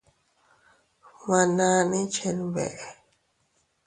Gmananni chenbeʼe.